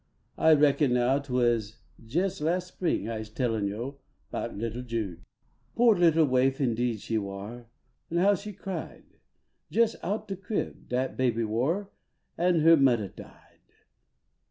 I reckon now Twas jais las spring Ise tellin yo Bout little Jude. Po little waif indeed she war ; An how she cried, jes out de crib Dat baby war an her muddah died.